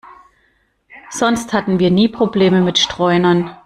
Sonst hatten wir nie Probleme mit Streunern.